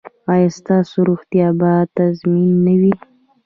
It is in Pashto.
ایا ستاسو روغتیا به تضمین نه وي؟